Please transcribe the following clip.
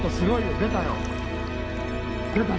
出たよね？